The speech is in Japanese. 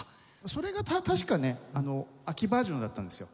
それが確かね秋バージョンだったんですよ。